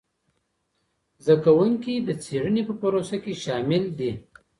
زده کوونکي د څېړنې په پروسه کي شامل دي.